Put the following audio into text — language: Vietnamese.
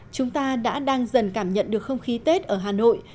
chúng ta đã đang dần cảm nhận được không khí tết ở hà nội